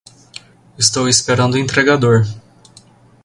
Estou esperando o entregador.